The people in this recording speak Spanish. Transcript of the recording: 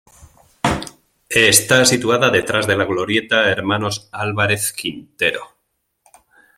Está situada detrás de la Glorieta Hermanos Álvarez Quintero.